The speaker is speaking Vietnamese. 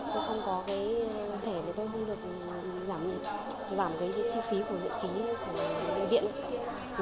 tôi không có cái thẻ thì tôi không được giảm cái chi phí của miệng phí của bệnh viện